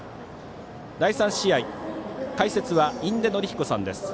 第３試合解説は印出順彦さんです。